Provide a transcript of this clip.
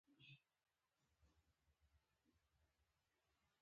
روغتونونه ولې باید پاک وي؟